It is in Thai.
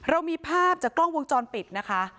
เรามีภาพจากกล้องวงจรปิดนะคะ